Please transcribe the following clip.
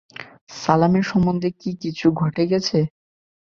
সালামের সম্বন্ধে কি কিছু ঘটে গেছে?